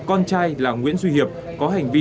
con trai là nguyễn duy hiệp có hành vi